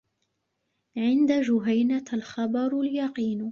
عند جُهَيْنَةَ الخبر اليقين